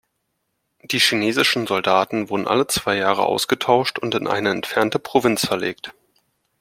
Die chinesischen Soldaten wurden alle zwei Jahre ausgetauscht und in eine entfernte Provinz verlegt.